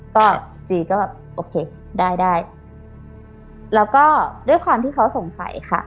ก็จีก็แบบโอเคได้ได้แล้วก็ด้วยความที่เขาสงสัยค่ะ